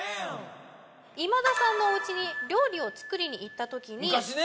今田さんのおうちに料理を作りに行った時に昔ね！